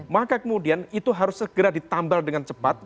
maka kemudian itu harus segera ditambal dengan cepat